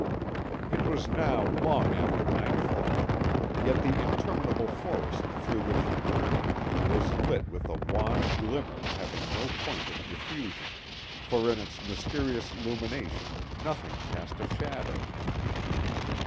It was now long after nightfall, yet the interminable forest through which he journeyed was lit with a wan glimmer having no point of diffusion, for in its mysterious lumination nothing cast a shadow.